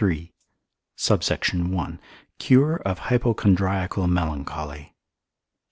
SUBSECT. I.—Cure of Hypochondriacal Melancholy.